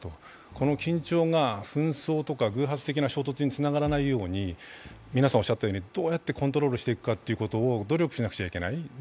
この緊張が紛争とか、偶発的な衝突につながらないようにどうやってコントロールしていくかを努力しなくちゃいけない。